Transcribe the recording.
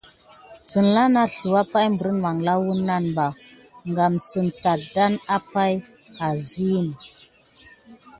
Səlhâ nà sluwà pay berine manla wuna ɓa kan si tadane apay kisia.